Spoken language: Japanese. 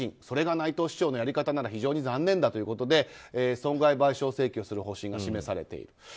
それが内藤市長のやり方なら非常に残念だということで損害賠償請求する方針が示されている。